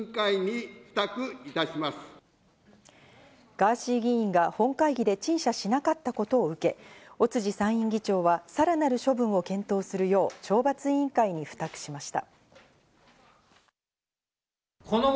ガーシー議員が本会議で陳謝しなかったことを受け、尾辻参議院議長はさらなる処分を検討するよう懲罰委員会に付託しました。